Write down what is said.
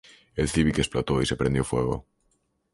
El Civic explotó y se prendió fuego.